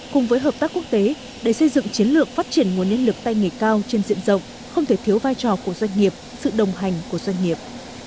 cùng với hợp tác quốc tế để xây dựng chiến lược phát triển nguồn nhân lực tay nghề cao trên diện rộng không thể thiếu vai trò của doanh nghiệp sự đồng hành của doanh nghiệp